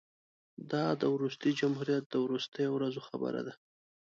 دا د وروستي جمهوریت د وروستیو ورځو خبره ده.